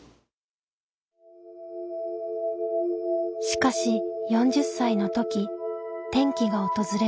しかし４０歳の時転機が訪れる。